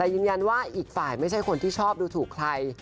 แต่ยืนยันว่าอีกฝ่ายไม่ใช่คนที่ชอบดูถูกใคร